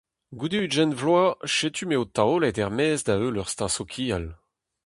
Goude ugent vloaz setu m'eo taolet er-maez da-heul ur steuñv sokial.